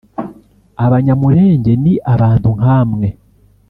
Abanyamulenge ni abantu nkamwe